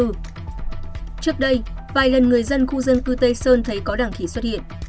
trước đây vài lần người dân khu dân cư tây sơn thấy có đàn khỉ xuất hiện